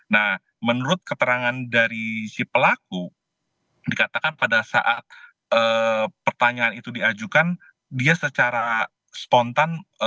nah menurut keterangan dari si pelaku dikatakan pada saat pertanyaan itu diajukan dia secara spontan